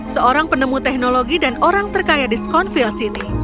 seorang penemu teknologi dan orang terkaya di skonville sini